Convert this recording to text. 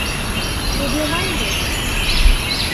Did you mind it?